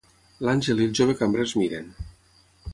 L'Àngel i el jove cambrer es miren.